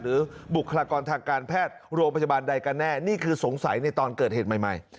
บุคลากรทางการแพทย์โรงพยาบาลใดกันแน่นี่คือสงสัยในตอนเกิดเหตุใหม่